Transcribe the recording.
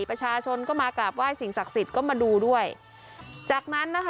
ประชาชนก็มากราบไหว้สิ่งศักดิ์สิทธิ์ก็มาดูด้วยจากนั้นนะคะ